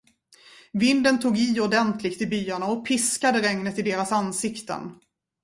Vinden tog i ordentligt i byarna och piskade regnet i deras ansikten.